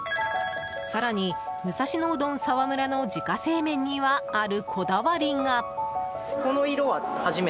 更に、武蔵野うどん澤村の自家製麺には、あるこだわりが。